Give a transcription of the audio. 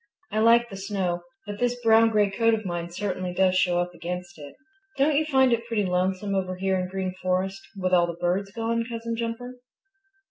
"I like the snow, but this brown gray coat of mine certainly does show up against it. Don't you find it pretty lonesome over here in the Green Forest with all the birds gone, Cousin Jumper?"